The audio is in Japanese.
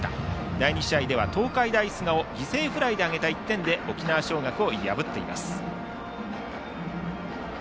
第２試合では東海大菅生犠牲フライで挙げた１点で沖縄尚学を破っています。